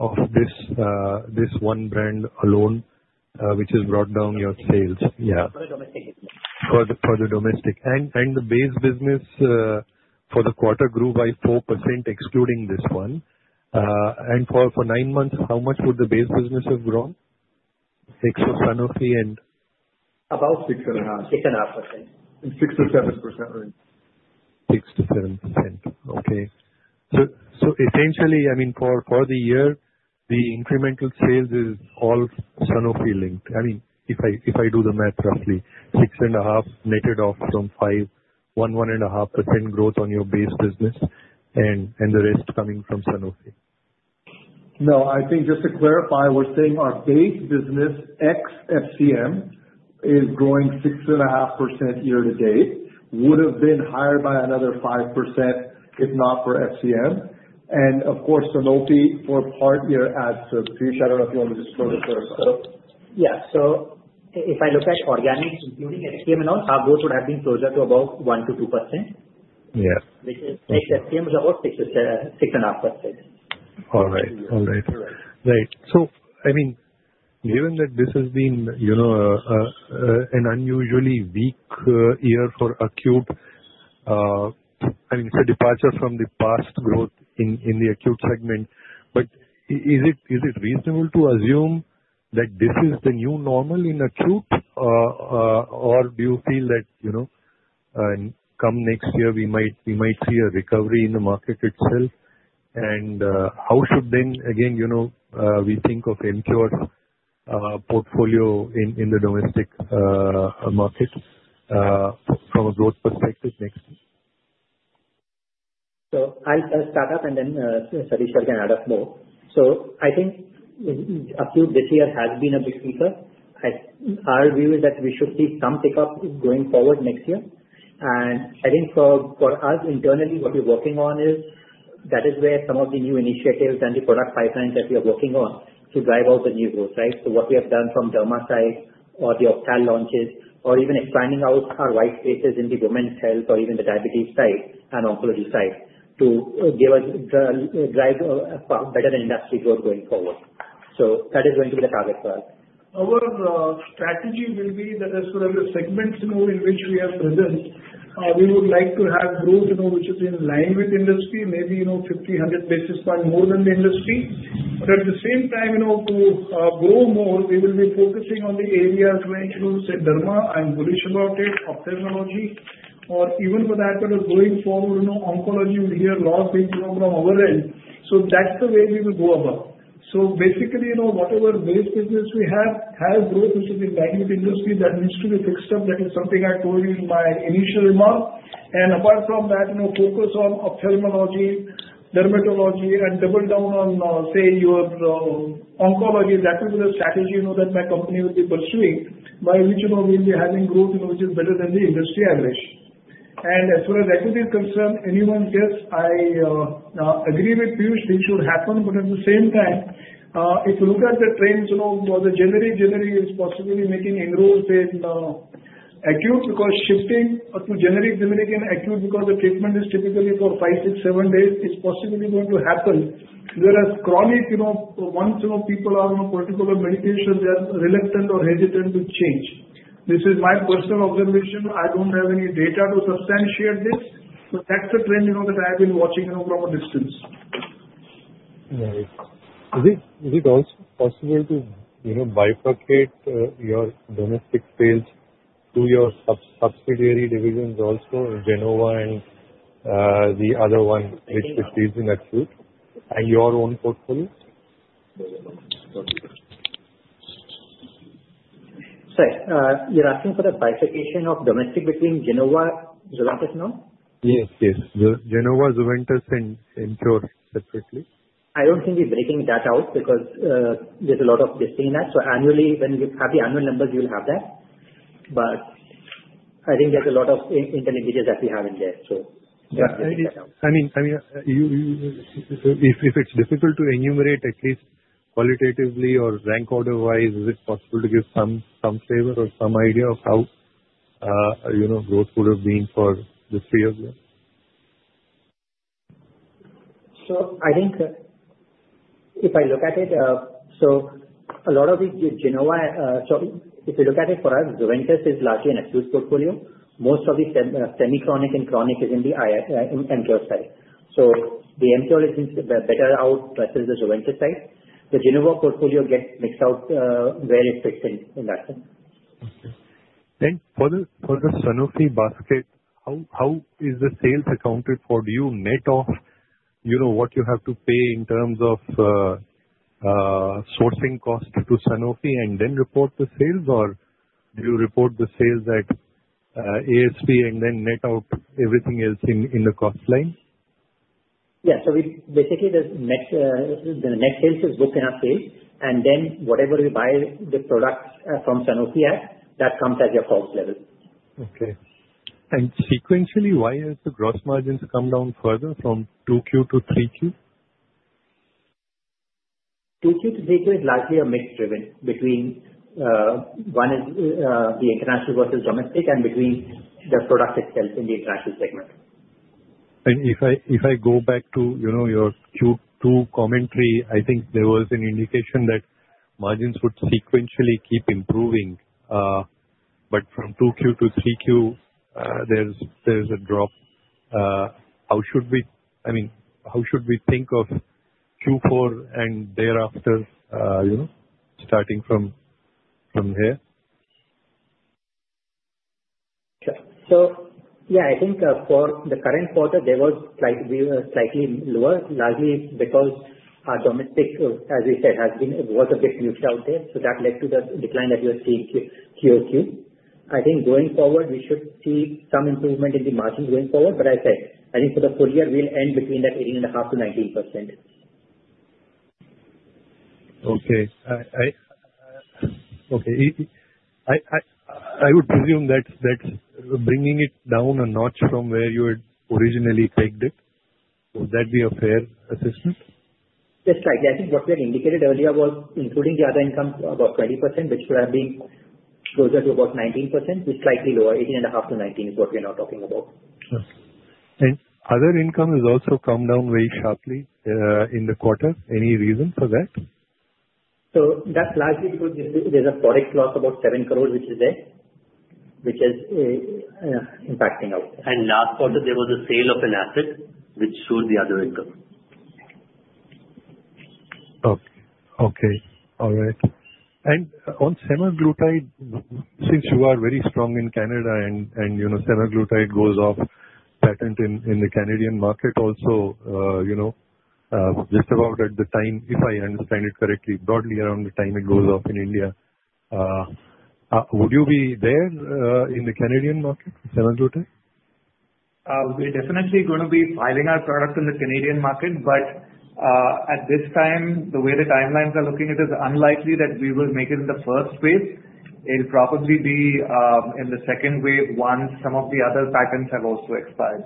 of this one brand alone, which has brought down your sales. Yeah. For the domestic. For the domestic and the base business for the quarter grew by 4%, excluding this one, and for nine months, how much would the base business have grown, except Sanofi and. About six and a half. 6.5%. 6%-7%. 6%-7%. Okay. So essentially, I mean, for the year, the incremental sales is all Sanofi-linked. I mean, if I do the math roughly, 6.5 netted off from 5, 1, 1.5% growth on your base business, and the rest coming from Sanofi. No. I think just to clarify, we're saying our base business, ex FCM, is growing 6.5% year to date. Would have been higher by another 5% if not for FCM. And of course, Sanofi for part year adds to it. Piyush, I don't know if you want to just go ahead and clarify. Yeah. So if I look at organics, including FCM and all, our growth would have been closer to about 1% to 2%, which is ex FCM is about 6.5%. All right. So I mean, given that this has been an unusually weak year for acute, I mean, it's a departure from the past growth in the acute segment, but is it reasonable to assume that this is the new normal in acute, or do you feel that come next year, we might see a recovery in the market itself? And how should then, again, we think of Emcure portfolio in the domestic market from a growth perspective next year? So I'll start up, and then Satish Bhai can add up more. So I think acute this year has been a bit weaker. Our view is that we should see some pickup going forward next year. And I think for us internally, what we're working on is that is where some of the new initiatives and the product pipelines that we are working on to drive out the new growth, right? So what we have done from derma side or the Octal launches or even expanding out our white spaces in the women's health or even the diabetes side and oncology side to drive better than industry growth going forward. So that is going to be the target for us. Our strategy will be that as far as the segments in which we are present, we would like to have growth which is in line with industry, maybe 50-100 basis points more than the industry, but at the same time, to grow more, we will be focusing on the areas like derma. I'm bullish about it, ophthalmology, or even for that matter, going forward, oncology, we'll hear a lot bigger from our end, so that's the way we will go about, so basically, whatever base business we have has growth, which is in line with industry, that needs to be fixed up. That is something I told you in my initial remark, and apart from that, focus on ophthalmology, dermatology, and double down on, say, our oncology. That will be the strategy that my company will be pursuing, by which we'll be having growth which is better than the industry average. And as far as equity is concerned, anyone's guess. I agree with Piyush. This should happen. But at the same time, if you look at the trends, the generic-to-generic is possibly making inroads in acute because shifting to generic-to-generic in acute because the treatment is typically for five, six, seven days, is possibly going to happen. Whereas chronic, once people are on a particular medication, they are reluctant or hesitant to change. This is my personal observation. I don't have any data to substantiate this. But that's the trend that I have been watching from a distance. Right. Is it also possible to bifurcate your domestic sales to your subsidiary divisions also, Gennova and the other one which is in acute, and your own portfolio? Sorry. You're asking for the bifurcation of domestic between Gennova, Zuventus now? Yes. Yes. Gennova, Zuventus, and Emcure separately. I don't think we're breaking that out because there's a lot of missing in that. So annually, when you have the annual numbers, you will have that. But I think there's a lot of interlinkages that we have in there. So that's the breakout. I mean, if it's difficult to enumerate, at least qualitatively or rank order-wise, is it possible to give some flavor or some idea of how growth would have been for the three of them? So I think if I look at it, so a lot of Gennova sorry, if you look at it for us, Zuventus is largely an acute portfolio. Most of the semi-chronic and chronic is in the Emcure side. So the Emcure is better out versus the Zuventus side. The Gennova portfolio gets mixed out where it fits in that sense. Okay. Then for the Sanofi basket, how is the sales accounted for? Do you net off what you have to pay in terms of sourcing cost to Sanofi and then report the sales, or do you report the sales at ASP and then net out everything else in the cost line? Yeah. So basically, the net sales is booked in our sales. And then whatever we buy the product from Sanofi at, that comes at your cost level. Okay. And sequentially, why has the gross margins come down further from 2Q to 3Q? 2Q to 3Q is largely a mix driven between one is the international versus domestic and between the product itself in the international segment. And if I go back to your Q2 commentary, I think there was an indication that margins would sequentially keep improving. But from 2Q to 3Q, there's a drop. How should we, I mean, how should we think of Q4 and thereafter starting from here? Okay. So yeah, I think for the current quarter, we were slightly lower, largely because our domestic, as we said, was a bit niche out there. So that led to the decline that we are seeing Q2. I think going forward, we should see some improvement in the margins going forward. But I said, I think for the full year, we'll end between 18.5%-19%. Okay. Okay. I would presume that bringing it down a notch from where you had originally pegged it. Would that be a fair assessment? That's right. I think what we had indicated earlier was including the other income about 20%, which would have been closer to about 19%, which is slightly lower. 18.5%-19% is what we're now talking about. Okay. And other income has also come down very sharply in the quarter. Any reason for that? So that's largely because there's a forex loss about 7 crore, which is there, which is impacting out. And last quarter, there was a sale of an asset, which showed the other income. Okay. All right. On semaglutide, since you are very strong in Canada and semaglutide goes off patent in the Canadian market also, just about at the time, if I understand it correctly, broadly around the time it goes off in India, would you be there in the Canadian market for semaglutide? We're definitely going to be filing our product in the Canadian market, but at this time, the way the timelines are looking, it is unlikely that we will make it in the first wave. It'll probably be in the second wave once some of the other patents have also expired.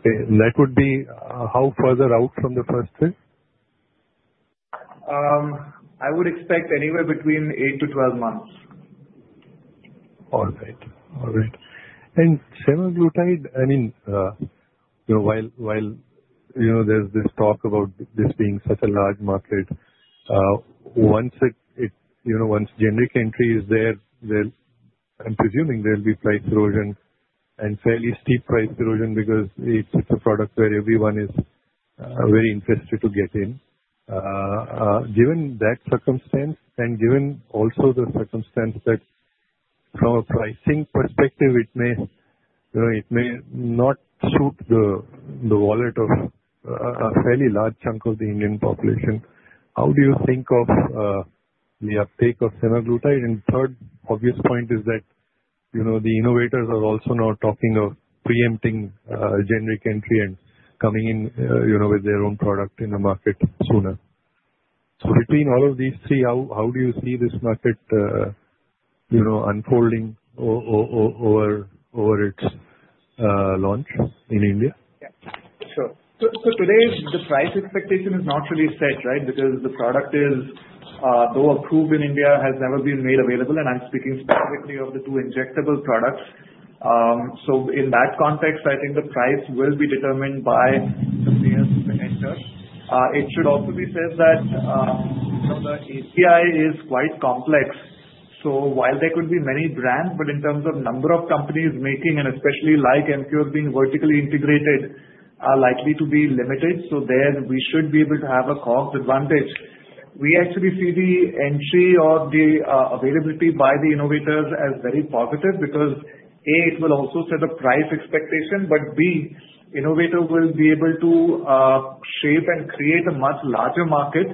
Okay. And that would be how further out from the first wave? I would expect anywhere between eight to 12 months. All right. All right. And semaglutide, I mean, while there's this talk about this being such a large market, once generic entry is there, I'm presuming there'll be price erosion and fairly steep price erosion because it's a product where everyone is very interested to get in. Given that circumstance and given also the circumstance that from a pricing perspective, it may not suit the wallet of a fairly large chunk of the Indian population, how do you think of the uptake of semaglutide? And third, obvious point is that the innovators are also now talking of preempting generic entry and coming in with their own product in the market sooner. So between all of these three, how do you see this market unfolding over its launch in India? Yeah. Sure. So today, the price expectation is not really set, right, because the product is though approved in India, has never been made available, and I'm speaking specifically of the two injectable products. In that context, I think the price will be determined by the players who enter. It should also be said that the API is quite complex. So while there could be many brands, but in terms of number of companies making, and especially like Emcure being vertically integrated, are likely to be limited. So there, we should be able to have a cost advantage. We actually see the entry or the availability by the innovators as very positive because, A, it will also set a price expectation, but B, innovators will be able to shape and create a much larger market.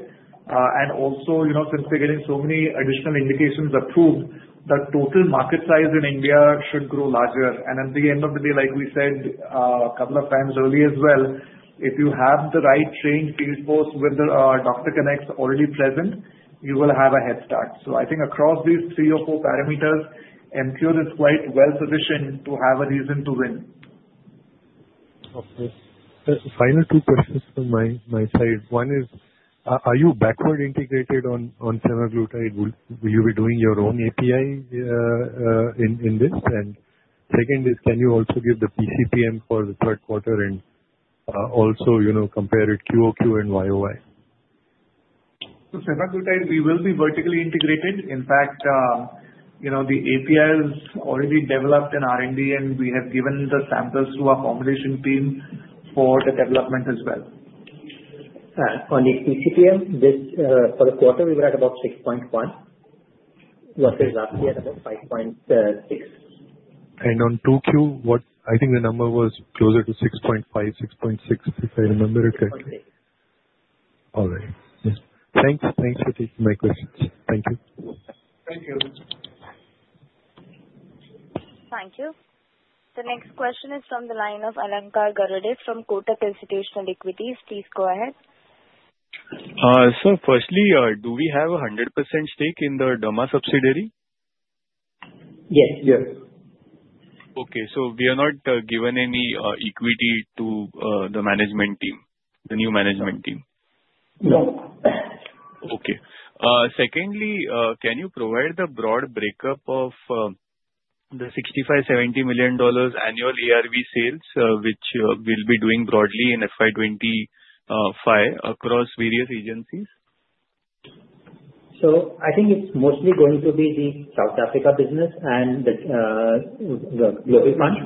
And also, since they're getting so many additional indications approved, the total market size in India should grow larger. And at the end of the day, like we said a couple of times earlier as well, if you have the right trained field force with doctor connects already present, you will have a head start. So I think across these three or four parameters, Emcure is quite well positioned to have a reason to win. Okay. Final two questions from my side. One is, are you backward integrated on semaglutide? Will you be doing your own API in this? And second is, can you also give the PCPM for the third quarter and also compare it QOQ and YOY? Semaglutide, we will be vertically integrated. In fact, the API is already developed in R&D, and we have given the samples to our formulation team for the development as well. On the PCPM, for the quarter, we were at about 6.1 versus last year at about 5.6. On 2Q, I think the number was closer to 6.5, 6.6, if I remember it correctly. Yeah. All right. Thanks. Thanks for taking my questions. Thank you. Thank you. Thank you. The next question is from the line of Alankar Garude from Kotak Institutional Equities. Please go ahead. So firstly, do we have a 100% stake in the derma subsidiary? Yes. Yes. Okay. So we are not given any equity to the management team, the new management team? No. Okay. Secondly, can you provide the broad breakup of the $65 million-$70 million annual ARV sales, which we'll be doing broadly in FY 25 across various agencies? So I think it's mostly going to be the South Africa business and the Global Fund.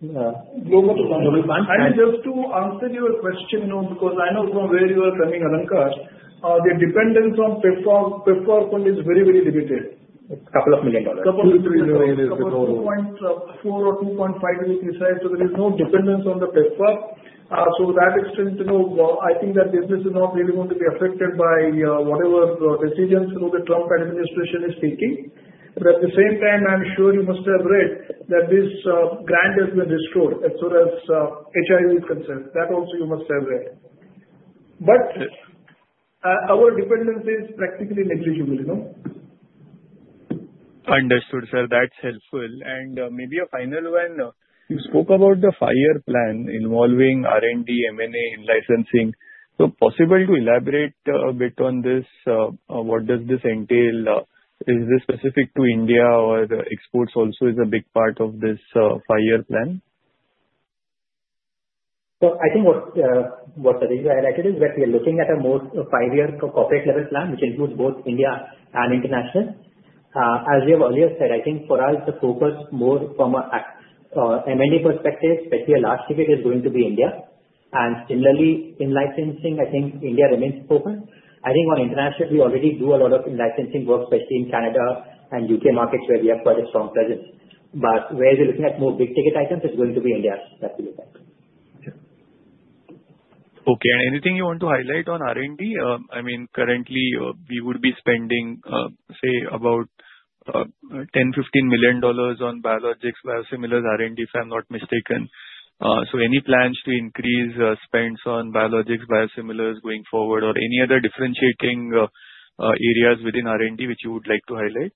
Global Fund, and just to answer your question, because I know from where you are coming, Alankar, the dependence on PEPFAR fund is very, very limited. $2 million. A couple of million dollars. $2.4 million or $2.5 million to be precise. So there is no dependence on the PEPFAR. So to that extent, I think that business is not really going to be affected by whatever decisions the Trump administration is taking. But at the same time, I'm sure you must have read that this grant has been restored as far as HIV is concerned. That also you must have read. But our dependence is practically negligible. Understood, sir. That's helpful. And maybe a final one. You spoke about the five-year plan involving R&D, M&A, and licensing. So possible to elaborate a bit on this? What does this entail? Is this specific to India, or exports also is a big part of this five-year plan? So I think what the reason I like it is that we are looking at a more five-year corporate-level plan, which includes both India and international. As you have earlier said, I think for us, the focus more from an M&A perspective, especially a large ticket, is going to be India. And similarly, in licensing, I think India remains focused. I think on international, we already do a lot of licensing work, especially in Canada and UK markets where we have quite a strong presence. But where we're looking at more big-ticket items is going to be India, that we look at. Okay. Anything you want to highlight on R&D? I mean, currently, we would be spending, say, about $10 million-$15 million on biologics, biosimilars, R&D, if I'm not mistaken. So any plans to increase spends on biologics, biosimilars going forward, or any other differentiating areas within R&D which you would like to highlight?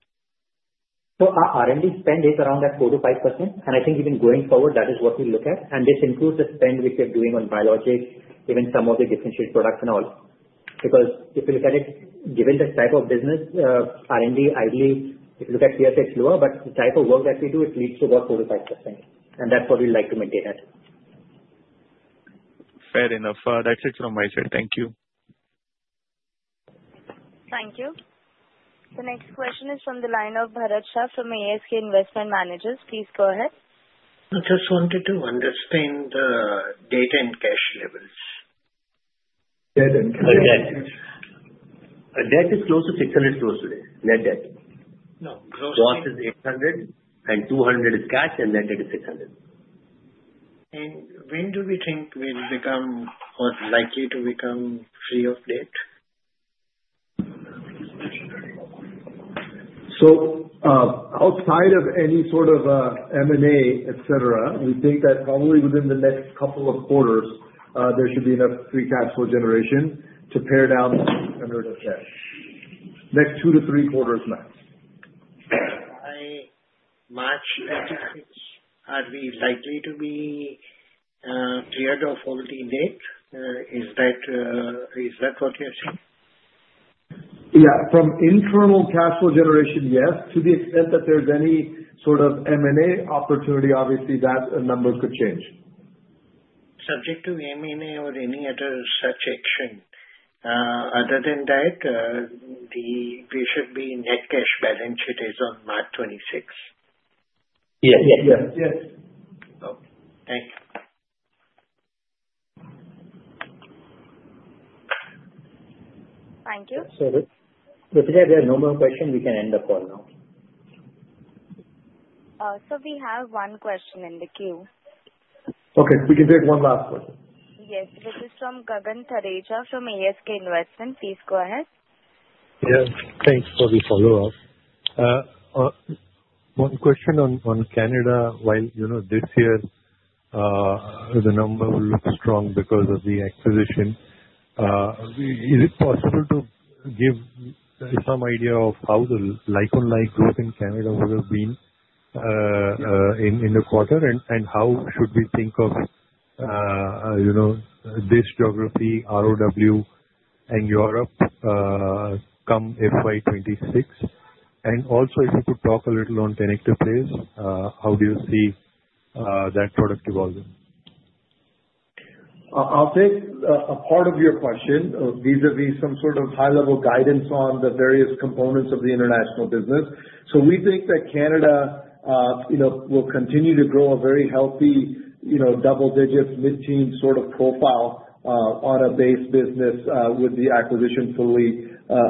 So our R&D spend is around that 4%-5%. And I think even going forward, that is what we look at. And this includes the spend which we are doing on biologics, even some of the differentiated products and all. Because if you look at it, given the type of business, R&D, ideally, if you look at should be lower, but the type of work that we do, it leads to about 4%-5%. And that's what we'd like to maintain at. Fair enough. That's it from my side. Thank you. Thank you. The next question is from the line of Bharat Shah from ASK Investment Managers. Please go ahead. I just wanted to understand the debt and cash levels. Debt and cash. Debt is close to 600 gross today. Net debt. No. Gross debt. Gross is 800, and 200 is cash, and net debt is 600. And when do we think we'll become or likely to become free of debt? So outside of any sort of M&A, etc., we think that probably within the next couple of quarters, there should be enough free cash flow generation to pare down the burden of debt. Next two to three quarters, max. By March 26, are we likely to be cleared of all the debt? Is that what you're saying? Yeah. From internal cash flow generation, yes. To the extent that there's any sort of M&A opportunity, obviously, that number could change. Subject to M&A or any other such action. Other than that, we should be net cash balance. It is on March 26. Yeah. Yes. Yes. Yes. Okay. Thank you. Thank you. Sorry. If we get no more questions, we can end the call now. We have one question in the queue. Okay. We can take one last question. Yes. This is from Gagan Tharejah from ASK Investment. Please go ahead. Yeah. Thanks for the follow-up. One question on Canada. While this year, the number will look strong because of the acquisition, is it possible to give some idea of how the like-for-like growth in Canada would have been in the quarter? And how should we think of this geography, ROW and Europe, come FY26? And also, if you could talk a little on tenecteplase, how do you see that product evolving? I'll take a part of your question vis-à-vis some sort of high-level guidance on the various components of the international business. So we think that Canada will continue to grow a very healthy double-digit, mid-teens sort of profile on a base business with the acquisition fully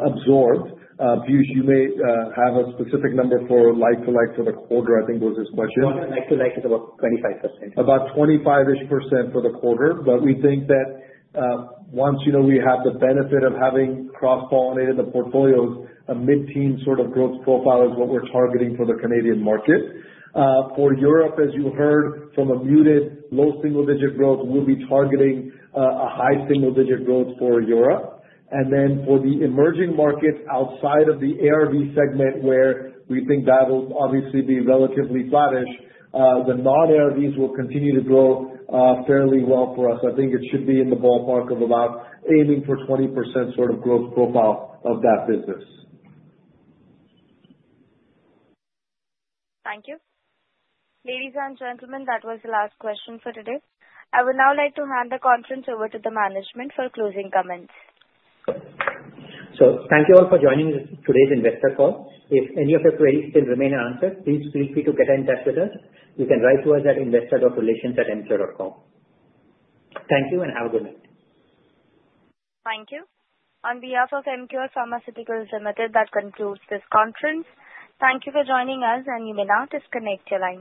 absorbed. Piyush, you may have a specific number for like-for-like for the quarter, I think was his question. Quarter like-for-like is about 25%. About 25-ish% for the quarter. But we think that once we have the benefit of having cross-pollinated the portfolios, a mid-teens sort of growth profile is what we're targeting for the Canadian market. For Europe, as you heard, a muted low single-digit growth, we'll be targeting a high single-digit growth for Europe. And then for the emerging markets outside of the ARV segment, where we think that will obviously be relatively flat, the non-ARVs will continue to grow fairly well for us. I think it should be in the ballpark of about aiming for 20% sort of growth profile of that business. Thank you. Ladies and gentlemen, that was the last question for today. I would now like to hand the conference over to the management for closing comments. Thank you all for joining today's investor call. If any of your queries still remain unanswered, please feel free to get in touch with us. You can write to us at investor.relations@emcure.com. Thank you and have a good night. Thank you. On behalf of Emcure Pharmaceuticals Limited, that concludes this conference. Thank you for joining us, and you may now disconnect your line.